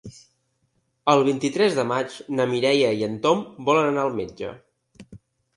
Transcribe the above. El vint-i-tres de maig na Mireia i en Tom volen anar al metge.